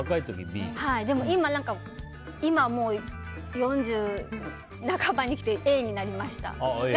でも今もう４０半ばに来てＡになりました。